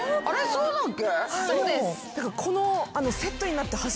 そうだっけ。